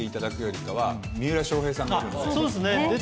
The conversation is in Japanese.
あっそうですね。